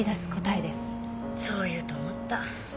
そう言うと思った。